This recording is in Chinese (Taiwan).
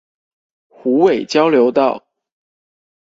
虎尾交流道